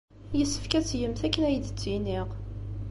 Yessefk ad tgemt akken ay d-ttiniɣ.